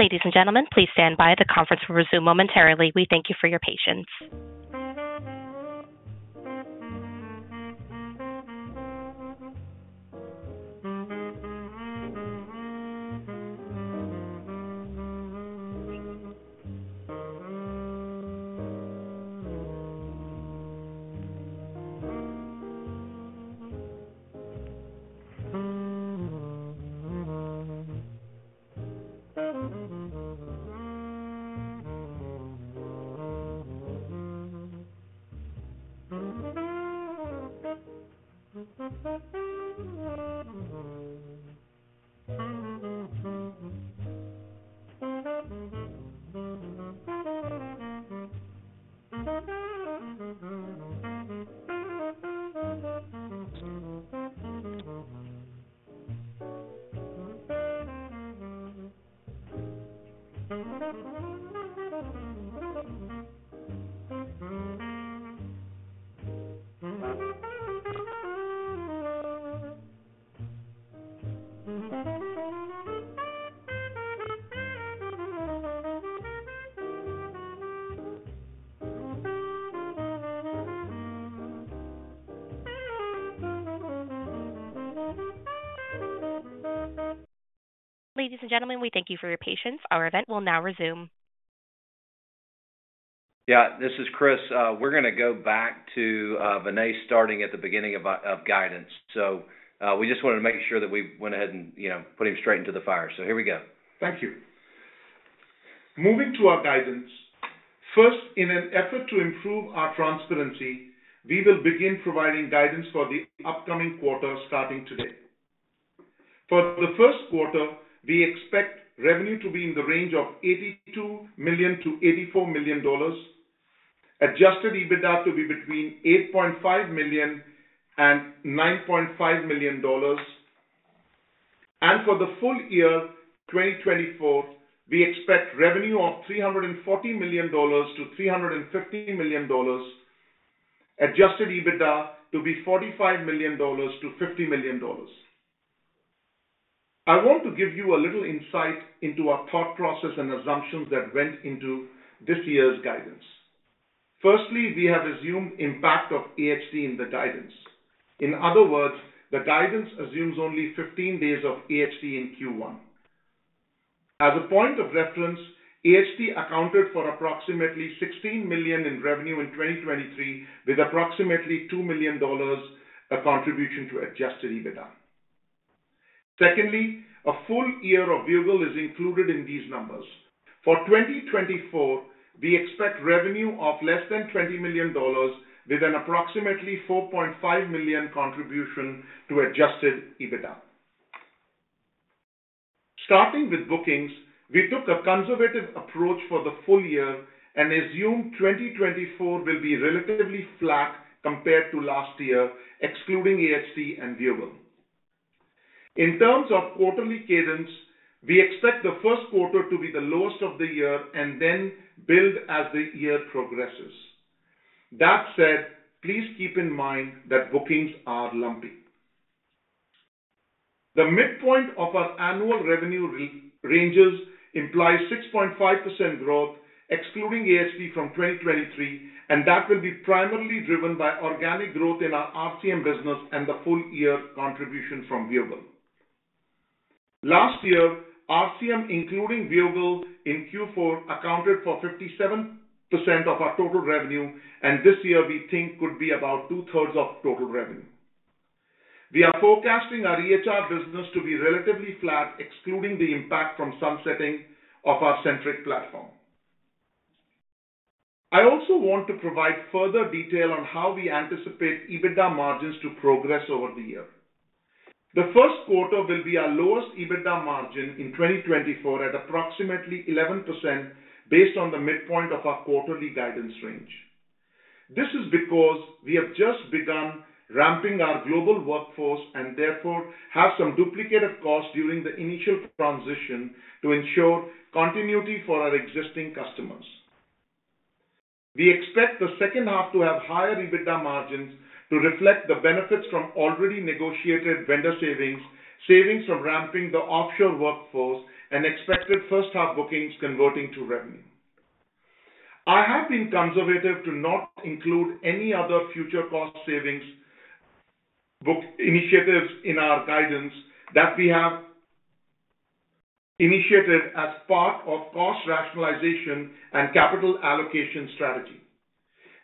Ladies and gentlemen, please stand by. The conference will resume momentarily. We thank you for your patience. Ladies and gentlemen, we thank you for your patience. Our event will now resume. Yeah, this is Chris. We're going to go back to Vinay starting at the beginning of guidance. So we just wanted to make sure that we went ahead and put him straight into the fire. So here we go. Thank you. Moving to our guidance, first, in an effort to improve our transparency, we will begin providing guidance for the upcoming quarter starting today. For the first quarter, we expect revenue to be in the range of $82 million-$84 million, Adjusted EBITDA to be between $8.5 million and $9.5 million. For the full year 2024, we expect revenue of $340 million-$350 million, Adjusted EBITDA to be $45 million-$50 million. I want to give you a little insight into our thought process and assumptions that went into this year's guidance. Firstly, we have assumed impact of AHT in the guidance. In other words, the guidance assumes only 15 days of AHT in Q1. As a point of reference, AHT accounted for approximately $16 million in revenue in 2023, with approximately $2 million a contribution to Adjusted EBITDA. Secondly, a full year of Viewgol is included in these numbers. For 2024, we expect revenue of less than $20 million, with an approximately $4.5 million contribution to Adjusted EBITDA. Starting with bookings, we took a conservative approach for the full year and assumed 2024 will be relatively flat compared to last year, excluding AHT and Viewgol. In terms of quarterly cadence, we expect the first quarter to be the lowest of the year and then build as the year progresses. That said, please keep in mind that bookings are lumpy. The midpoint of our annual revenue ranges implies 6.5% growth, excluding AHT from 2023, and that will be primarily driven by organic growth in our RCM business and the full year contribution from Viewgol. Last year, RCM including Viewgol in Q4 accounted for 57% of our total revenue, and this year we think could be about two-thirds of total revenue. We are forecasting our EHR business to be relatively flat, excluding the impact from sunsetting of our Centriq platform. I also want to provide further detail on how we anticipate EBITDA margins to progress over the year. The first quarter will be our lowest EBITDA margin in 2024 at approximately 11% based on the midpoint of our quarterly guidance range. This is because we have just begun ramping our global workforce and therefore have some duplicated costs during the initial transition to ensure continuity for our existing customers. We expect the second half to have higher EBITDA margins to reflect the benefits from already negotiated vendor savings, savings from ramping the offshore workforce, and expected first half bookings converting to revenue. I have been conservative to not include any other future cost savings initiatives in our guidance that we have initiated as part of cost rationalization and capital allocation strategy.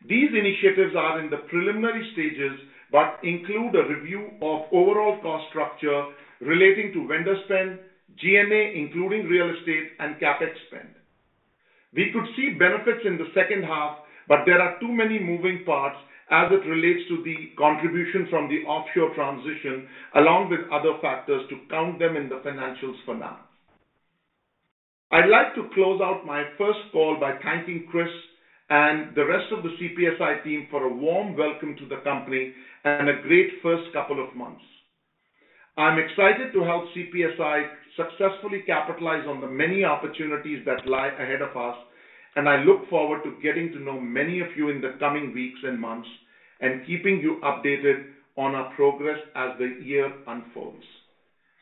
These initiatives are in the preliminary stages but include a review of overall cost structure relating to vendor spend, G&A including real estate, and CapEx spend. We could see benefits in the second half, but there are too many moving parts as it relates to the contribution from the offshore transition, along with other factors, to count them in the financials for now. I'd like to close out my first call by thanking Chris and the rest of the CPSI team for a warm welcome to the company and a great first couple of months. I'm excited to help CPSI successfully capitalize on the many opportunities that lie ahead of us, and I look forward to getting to know many of you in the coming weeks and months and keeping you updated on our progress as the year unfolds.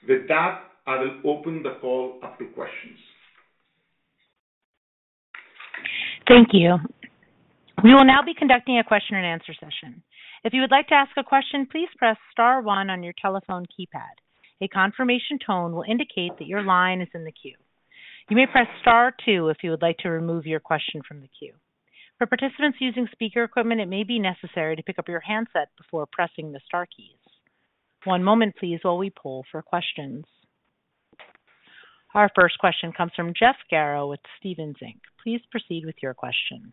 With that, I will open the call up to questions. Thank you. We will now be conducting a question and answer session. If you would like to ask a question, please press star one on your telephone keypad. A confirmation tone will indicate that your line is in the queue. You may press star two if you would like to remove your question from the queue. For participants using speaker equipment, it may be necessary to pick up your handset before pressing the star keys. One moment, please, while we pull for questions. Our first question comes from Jeff Garro with Stephens Inc. Please proceed with your question.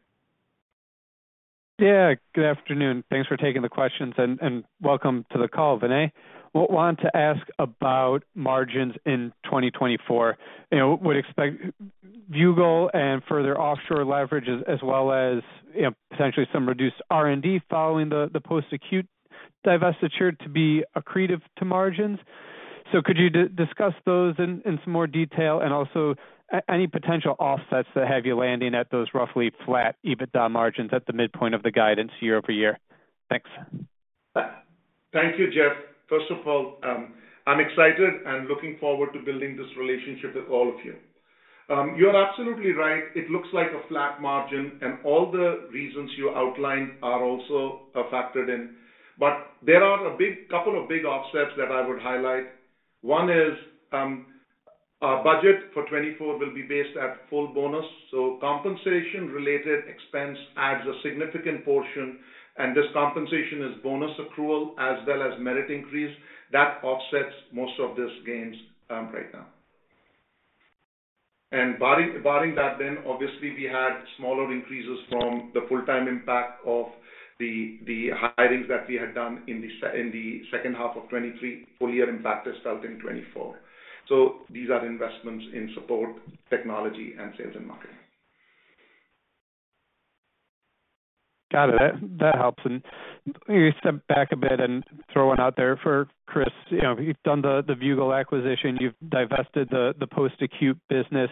Yeah, good afternoon. Thanks for taking the questions and welcome to the call, Vinay. Want to ask about margins in 2024. Would expect Viewgol and further offshore leverage, as well as potentially some reduced R&D following the post-acute divestiture, to be accretive to margins. So could you discuss those in some more detail and also any potential offsets that have you landing at those roughly flat EBITDA margins at the midpoint of the guidance year over year? Thanks. Thank you, Jeff. First of all, I'm excited and looking forward to building this relationship with all of you. You're absolutely right. It looks like a flat margin, and all the reasons you outlined are also factored in. But there are a big couple of big offsets that I would highlight. One is our budget for 2024 will be based at full bonus. So compensation-related expense adds a significant portion, and this compensation is bonus accrual as well as merit increase. That offsets most of these gains right now. And barring that, then obviously we had smaller increases from the full-time impact of the hirings that we had done in the second half of 2023. Full year impact is felt in 2024. So these are investments in support technology and sales and marketing. Got it. That helps. And you stepped back a bit and throw one out there for Chris. You've done the Viewgol acquisition. You've divested the post-acute business.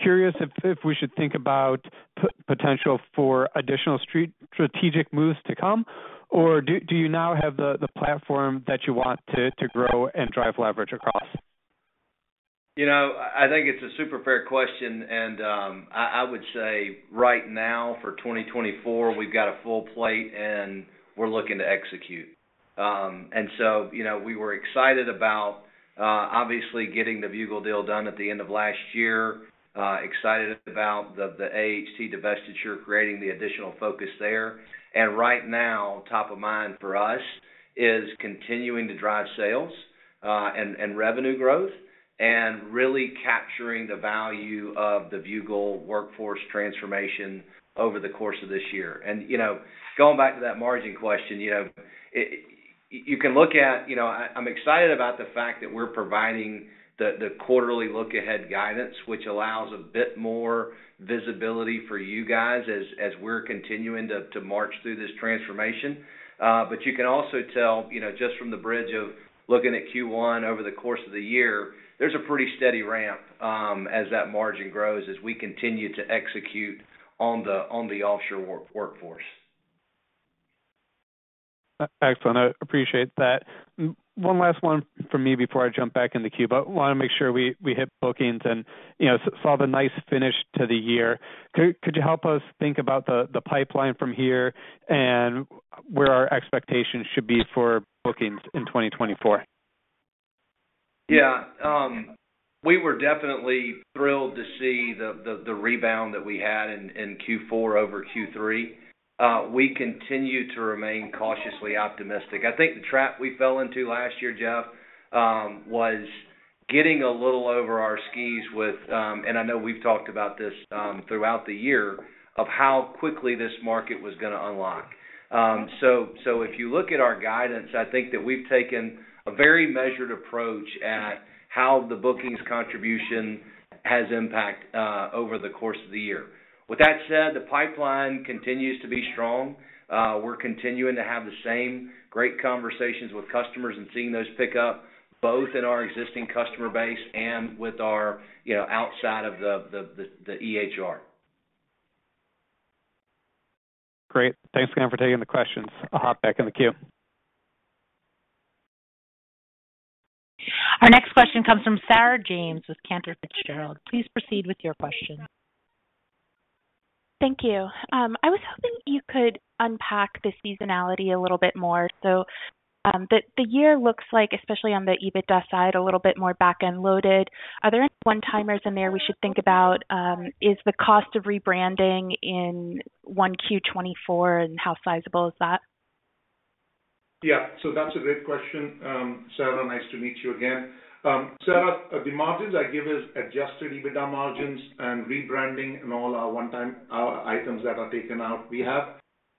Curious if we should think about potential for additional strategic moves to come, or do you now have the platform that you want to grow and drive leverage across? You know, I think it's a super fair question. And I would say right now for 2024, we've got a full plate and we're looking to execute. And so we were excited about obviously getting the Viewgol deal done at the end of last year. Excited about the AHT divestiture, creating the additional focus there. And right now, top of mind for us is continuing to drive sales and revenue growth and really capturing the value of the Viewgol workforce transformation over the course of this year. And going back to that margin question, you can look at. I'm excited about the fact that we're providing the quarterly look-ahead guidance, which allows a bit more visibility for you guys as we're continuing to march through this transformation. You can also tell just from TruBridge looking at Q1 over the course of the year, there's a pretty steady ramp as that margin grows as we continue to execute on the offshore workforce. Excellent. I appreciate that. One last one from me before I jump back in the queue, but want to make sure we hit bookings and saw the nice finish to the year. Could you help us think about the pipeline from here and where our expectations should be for bookings in 2024? Yeah. We were definitely thrilled to see the rebound that we had in Q4 over Q3. We continue to remain cautiously optimistic. I think the trap we fell into last year, Jeff, was getting a little over our skis with and I know we've talked about this throughout the year of how quickly this market was going to unlock. So if you look at our guidance, I think that we've taken a very measured approach at how the bookings contribution has impact over the course of the year. With that said, the pipeline continues to be strong. We're continuing to have the same great conversations with customers and seeing those pick up both in our existing customer base and with our outside of the EHR. Great. Thanks again for taking the questions. I'll hop back in the queue. Our next question comes from Sarah James with Cantor Fitzgerald. Please proceed with your question. Thank you. I was hoping you could unpack the seasonality a little bit more. So the year looks like, especially on the EBITDA side, a little bit more back-end loaded. Are there any one-timers in there we should think about? Is the cost of rebranding in 1Q 2024 and how sizable is that? Yeah. So that's a great question. Sarah, nice to meet you again. Sarah, the margins I give is Adjusted EBITDA margins and rebranding and all our one-time items that are taken out. We have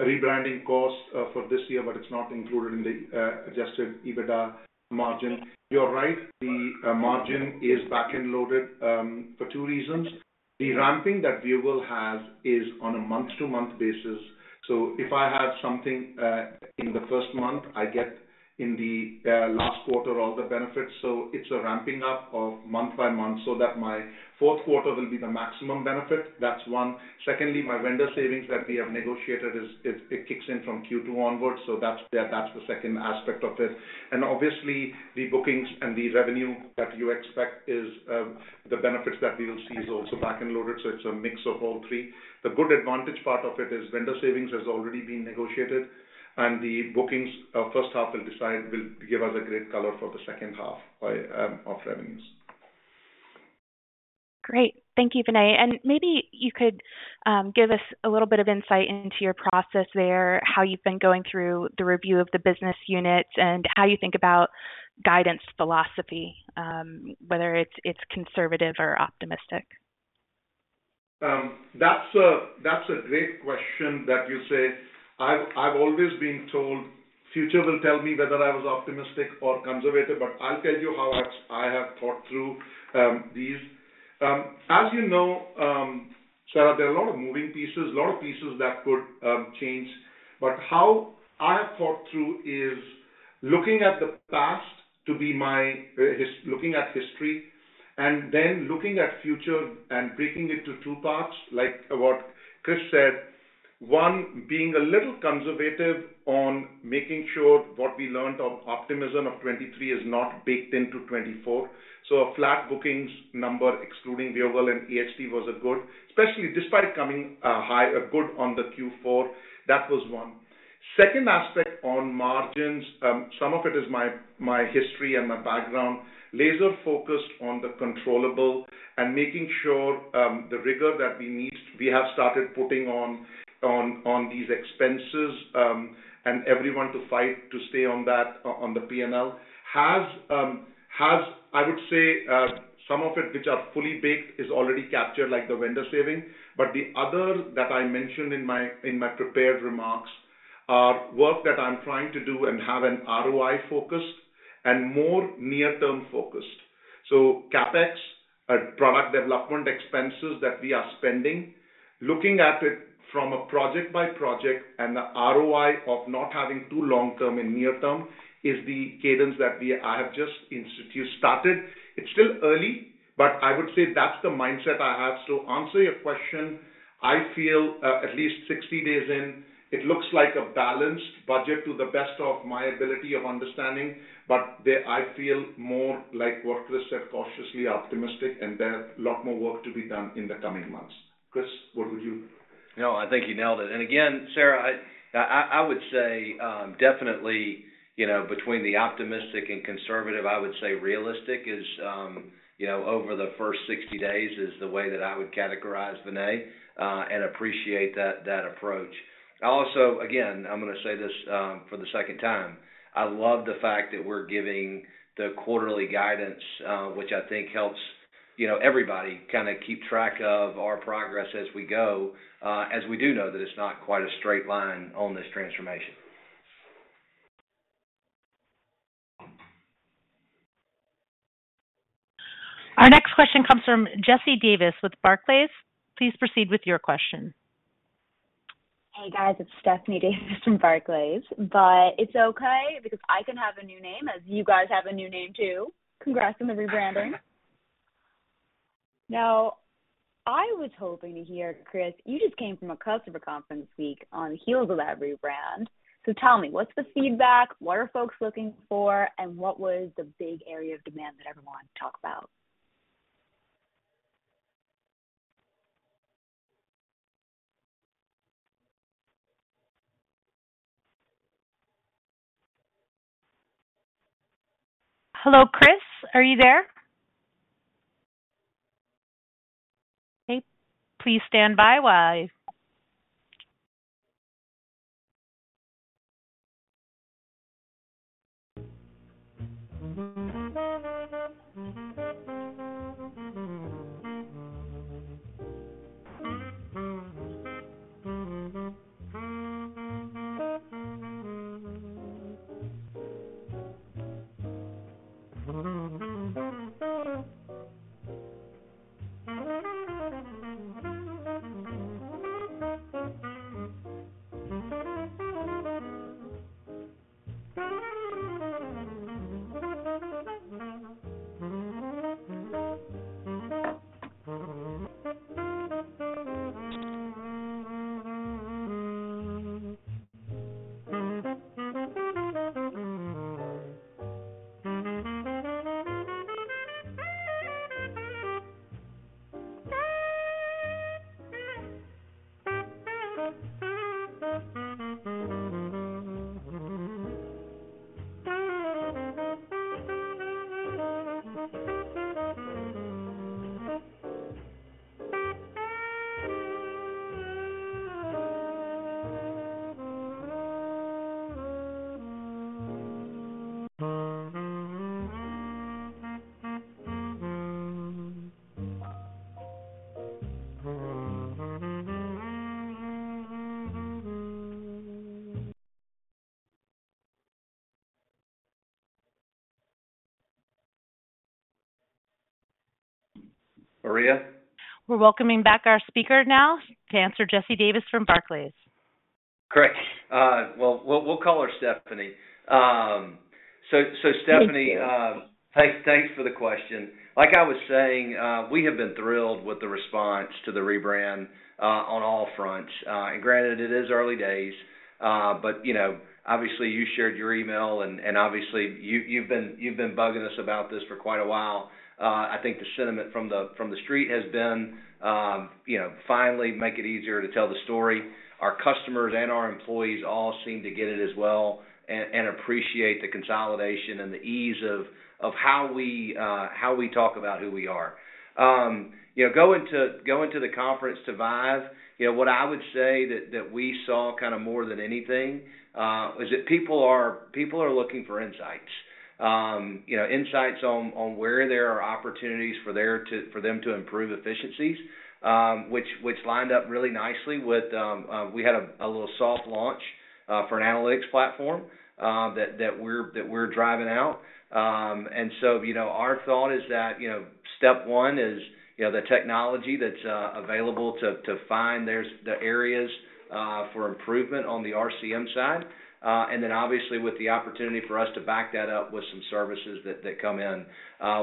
a rebranding cost for this year, but it's not included in the Adjusted EBITDA margin. You're right. The margin is back-end loaded for two reasons. The ramping that Viewgol has is on a month-to-month basis. So if I have something in the first month, I get in the last quarter all the benefits. So it's a ramping up of month by month so that my fourth quarter will be the maximum benefit. That's one. Secondly, my vendor savings that we have negotiated, it kicks in from Q2 onwards. So that's the second aspect of it. And obviously, the bookings and the revenue that you expect is the benefits that we will see is also back-end loaded. It's a mix of all three. The good advantage part of it is vendor savings has already been negotiated, and the bookings first half will give us a great color for the second half of revenues. Great. Thank you, Vinay. Maybe you could give us a little bit of insight into your process there, how you've been going through the review of the business units and how you think about guidance philosophy, whether it's conservative or optimistic? That's a great question that you say. I've always been told future will tell me whether I was optimistic or conservative, but I'll tell you how I have thought through these. As you know, Sarah, there are a lot of moving pieces, a lot of pieces that could change. But how I have thought through is looking at the past to be my looking at history and then looking at future and breaking it to two parts, like what Chris said. One, being a little conservative on making sure what we learned of optimism of 2023 is not baked into 2024. So a flat bookings number excluding Viewgol and AHT was a good, especially despite coming high, a good on the Q4. That was one. Second aspect on margins, some of it is my history and my background, laser-focused on the controllable and making sure the rigor that we need. We have started putting on these expenses and everyone to fight to stay on that on the P&L has, I would say, some of it which are fully baked is already captured, like the vendor saving. But the other that I mentioned in my prepared remarks are work that I'm trying to do and have an ROI-focused and more near-term focused. So CapEx, product development expenses that we are spending, looking at it from a project by project and the ROI of not having too long-term and near-term is the cadence that I have just started. It's still early, but I would say that's the mindset I have. So answer your question. I feel at least 60 days in, it looks like a balanced budget to the best of my ability of understanding. But I feel more like what Chris said, cautiously optimistic, and there's a lot more work to be done in the coming months. Chris, what would you? No, I think you nailed it. And again, Sarah, I would say definitely between the optimistic and conservative, I would say realistic is over the first 60 days is the way that I would categorize, Vinay, and appreciate that approach. Also, again, I'm going to say this for the second time. I love the fact that we're giving the quarterly guidance, which I think helps everybody kind of keep track of our progress as we go, as we do know that it's not quite a straight line on this transformation. Our next question comes from Stephanie Davis with Barclays. Please proceed with your question. Hey, guys. It's Stephanie Davis from Barclays. But it's okay because I can have a new name as you guys have a new name too. Congrats on the rebranding. Now, I was hoping to hear, Chris, you just came from a customer conference week on the heels of that rebrand. So tell me, what's the feedback? What are folks looking for? And what was the big area of demand that everyone talked about? Hello, Chris. Are you there? Okay. Please stand by while I. Aria? We're welcoming back our speaker now to answer Stephanie Davis from Barclays. Correct. Well, we'll call her Stephanie. So Stephanie, thanks for the question. Like I was saying, we have been thrilled with the response to the rebrand on all fronts. Granted, it is early days. But obviously, you shared your email and obviously, you've been bugging us about this for quite a while. I think the sentiment from the street has been finally make it easier to tell the story. Our customers and our employees all seem to get it as well and appreciate the consolidation and the ease of how we talk about who we are. Going to the conference to ViVE, what I would say that we saw kind of more than anything is that people are looking for insights, insights on where there are opportunities for them to improve efficiencies, which lined up really nicely with we had a little soft launch for an analytics platform that we're driving out. And so our thought is that step one is the technology that's available to find the areas for improvement on the RCM side. And then obviously, with the opportunity for us to back that up with some services that come in,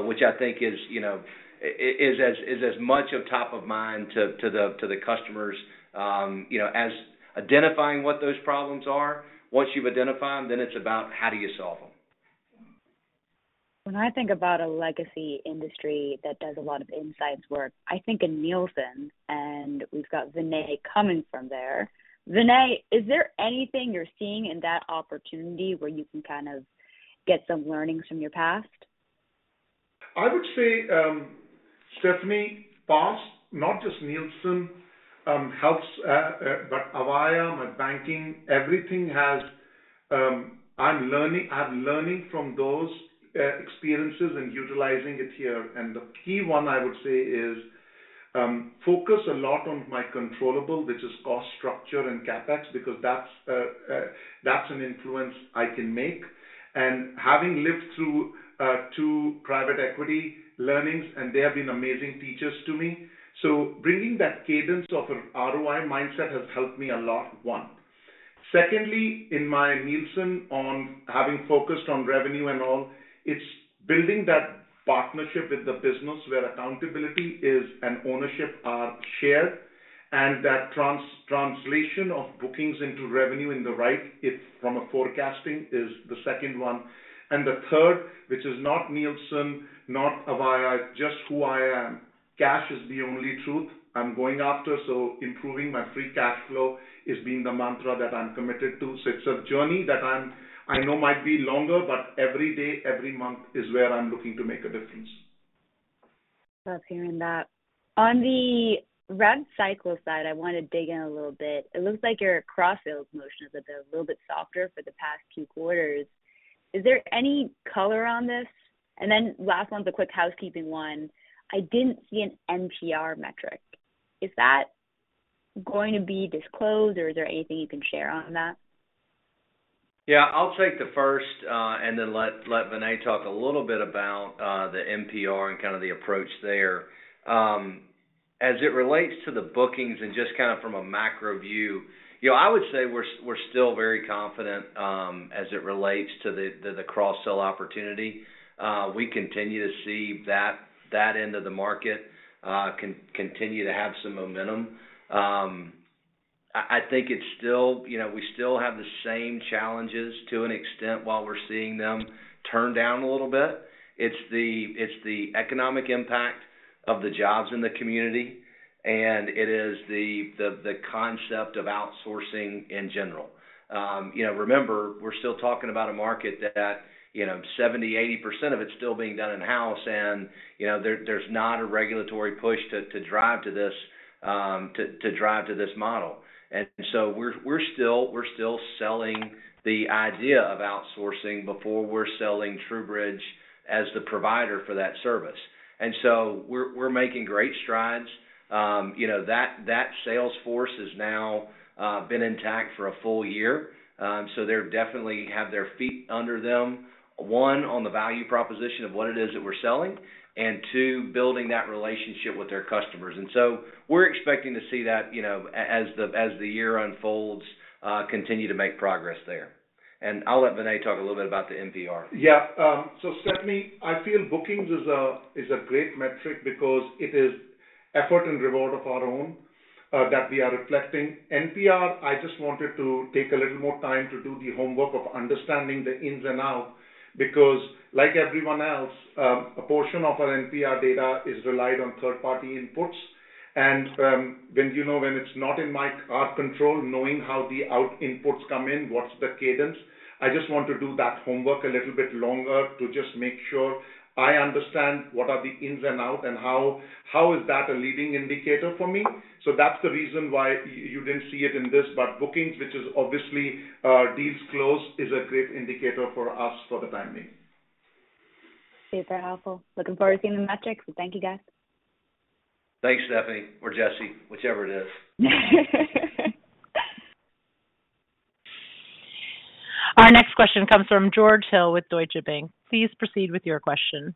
which I think is as much top of mind to the customers as identifying what those problems are. Once you've identified them, then it's about how do you solve them. When I think about a legacy industry that does a lot of insights work, I think in Nielsen and we've got Vinay coming from there. Vinay, is there anything you're seeing in that opportunity where you can kind of get some learnings from your past? I would say Stephanie Davis, not just Nielsen, but Avaya, my banking, everything has. I'm learning from those experiences and utilizing it here. The key one, I would say, is focus a lot on my controllable, which is cost structure and CapEx because that's an influence I can make. Having lived through two private equity learnings, and they have been amazing teachers to me. So bringing that cadence of an ROI mindset has helped me a lot, one. Secondly, in my Nielsen on having focused on revenue and all, it's building that partnership with the business where accountability is and ownership are shared. And that translation of bookings into revenue in the right, from a forecasting, is the second one. And the third, which is not Nielsen, not Avaya, it's just who I am. Cash is the only truth I'm going after. Improving my free cash flow has been the mantra that I'm committed to. It's a journey that I know might be longer, but every day, every month is where I'm looking to make a difference. Love hearing that. On the revenue cycle side, I want to dig in a little bit. It looks like your cross-sales motion has been a little bit softer for the past two quarters. Is there any color on this? And then last one's a quick housekeeping one. I didn't see an NPR metric. Is that going to be disclosed or is there anything you can share on that? Yeah, I'll take the first and then let Vinay talk a little bit about the NPR and kind of the approach there. As it relates to the bookings and just kind of from a macro view, I would say we're still very confident as it relates to the cross-sell opportunity. We continue to see that end of the market continue to have some momentum. I think we still have the same challenges to an extent while we're seeing them turn down a little bit. It's the economic impact of the jobs in the community, and it is the concept of outsourcing in general. Remember, we're still talking about a market that 70%-80% of it's still being done in-house, and there's not a regulatory push to drive to this model. And so we're still selling the idea of outsourcing before we're selling TruBridge as the provider for that service. We're making great strides. That sales force has now been intact for a full year. They definitely have their feet under them, one, on the value proposition of what it is that we're selling, and two, building that relationship with their customers. We're expecting to see that as the year unfolds, continue to make progress there. I'll let Vinay talk a little bit about the NPR. Yeah. So, Stephanie, I feel bookings is a great metric because it is effort and reward of our own that we are reflecting. NPR, I just wanted to take a little more time to do the homework of understanding the ins and outs because, like everyone else, a portion of our NPR data is relied on third-party inputs. And when it's not in our control, knowing how the out inputs come in, what's the cadence, I just want to do that homework a little bit longer to just make sure I understand what are the ins and outs and how is that a leading indicator for me. So that's the reason why you didn't see it in this. But bookings, which is obviously deals closed, is a great indicator for us for the time being. Super helpful. Looking forward to seeing the metrics. Thank you, guys. Thanks, Stephanie or Jesse, whichever it is. Our next question comes from George Hill with Deutsche Bank. Please proceed with your question.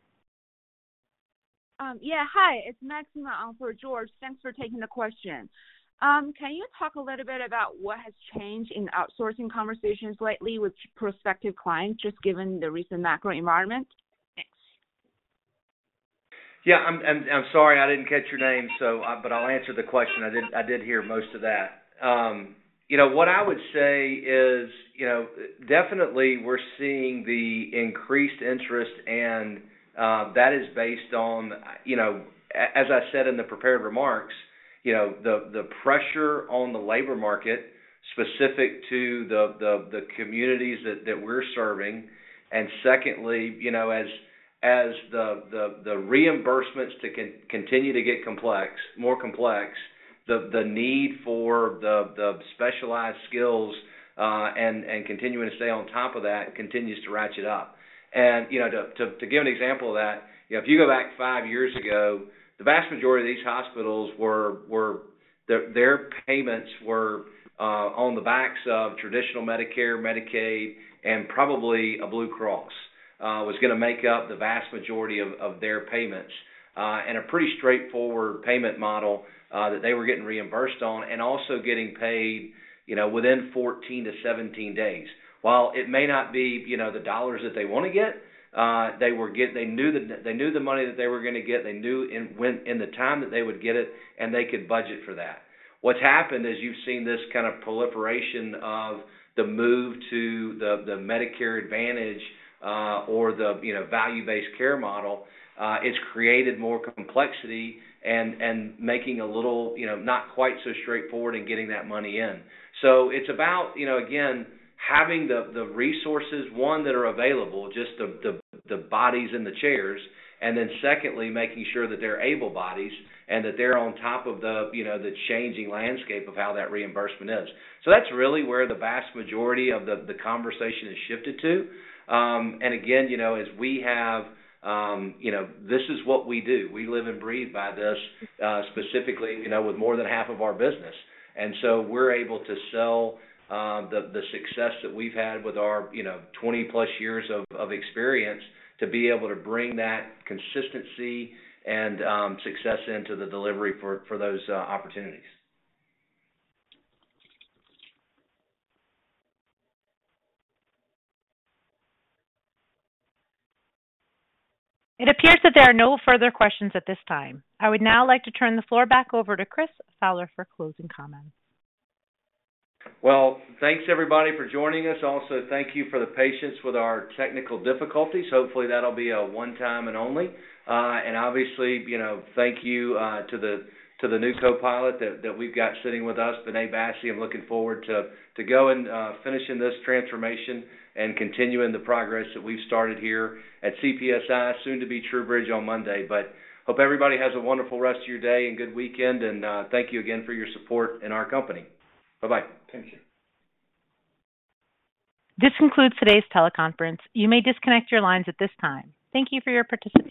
Yeah. Hi. It's Maxima for George. Thanks for taking the question. Can you talk a little bit about what has changed in outsourcing conversations lately with prospective clients, just given the recent macro environment? Thanks. Yeah. And I'm sorry I didn't catch your name, but I'll answer the question. I did hear most of that. What I would say is definitely we're seeing the increased interest, and that is based on, as I said in the prepared remarks, the pressure on the labor market specific to the communities that we're serving. And secondly, as the reimbursements continue to get more complex, the need for the specialized skills and continuing to stay on top of that continues to ratchet up. To give an example of that, if you go back five years ago, the vast majority of these hospitals, their payments were on the backs of traditional Medicare, Medicaid, and probably a Blue Cross was going to make up the vast majority of their payments and a pretty straightforward payment model that they were getting reimbursed on and also getting paid within 14-17 days. While it may not be the dollars that they want to get, they knew the money that they were going to get. They knew in the time that they would get it, and they could budget for that. What's happened, as you've seen this kind of proliferation of the move to the Medicare Advantage or the Value-Based Care model, it's created more complexity and making a little not quite so straightforward in getting that money in. So it's about, again, having the resources, one, that are available, just the bodies and the chairs, and then secondly, making sure that they're able bodies and that they're on top of the changing landscape of how that reimbursement is. So that's really where the vast majority of the conversation has shifted to. And again, as we have this is what we do. We live and breathe by this specifically with more than half of our business. And so we're able to sell the success that we've had with our 20+ years of experience to be able to bring that consistency and success into the delivery for those opportunities. It appears that there are no further questions at this time. I would now like to turn the floor back over to Chris Fowler for closing comments. Well, thanks, everybody, for joining us. Also, thank you for the patience with our technical difficulties. Hopefully, that'll be a one-time and only. And obviously, thank you to the new co-pilot that we've got sitting with us, Vinay Bassi. I'm looking forward to going and finishing this transformation and continuing the progress that we've started here at CPSI, soon to be TruBridge on Monday. But hope everybody has a wonderful rest of your day and good weekend. And thank you again for your support in our company. Bye-bye. Thank you. This concludes today's teleconference. You may disconnect your lines at this time. Thank you for your participation.